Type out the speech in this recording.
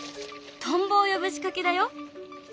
トンボを呼ぶ仕掛けだよ。